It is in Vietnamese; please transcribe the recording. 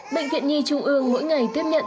bệnh viện nhi trung ương mỗi ngày tiếp nhận